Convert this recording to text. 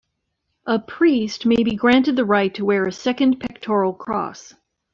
A priest may be granted the right to wear a second pectoral cross.